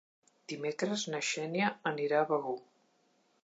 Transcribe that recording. Dimecres na Xènia anirà a Begur.